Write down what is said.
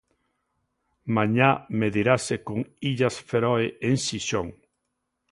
Mañá medirase con Illas Feroe en Xixón.